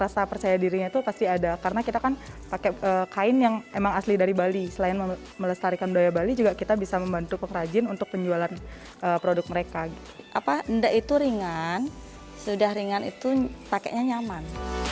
sudah ringan itu pakenya nyaman